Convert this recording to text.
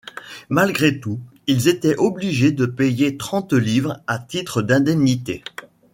Malgré tout ils étaient obligés de payer trente livres à titre d'indemnité.